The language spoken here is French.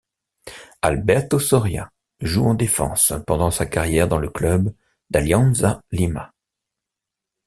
Alberto Soria joue en défense pendant sa carrière dans le club d'Alianza Lima.